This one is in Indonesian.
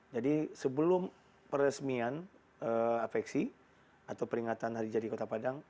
jadi sebelum peresmian afeksi atau peringatan hari jadi kota padang